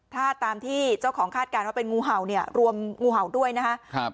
ถ้าตามที่เจ้าของคาดการณ์ว่าเป็นงูเห่าเนี่ยรวมงูเห่าด้วยนะครับ